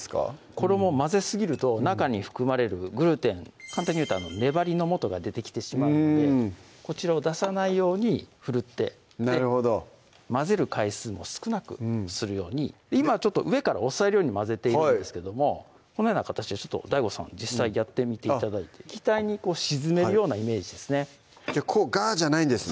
衣を混ぜすぎると中に含まれるグルテン簡単に言うと粘りのもとが出てきてしまってこちらを出さないようにふるってなるほど混ぜる回数も少なくするように今上から押さえるように混ぜているんですけどもこのような形でＤＡＩＧＯさん実際やってみて頂いて液体に沈めるようなイメージですねガーッじゃないんですね